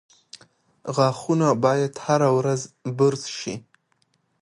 • غاښونه باید هره ورځ برس شي.